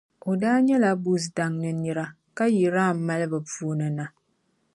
O daa nyɛla Buz daŋ ni nira, ka yi Ram malibu ni na.